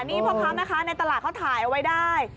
นี่พร้อมนะคะในตลาดเค้าถ่ายเอาไว้ได้